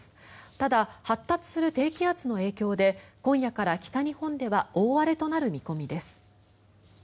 ただ、発達する低気圧の影響で今夜から北日本では大荒れとなる見込みです。